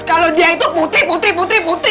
kalau dia itu putri putri putri putri